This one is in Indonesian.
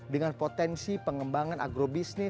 dengan potensi pengembangan agrobisnis